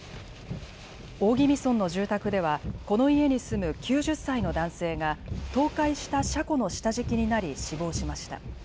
大宜味村の住宅ではこの家に住む９０歳の男性が倒壊した車庫の下敷きになり死亡しました。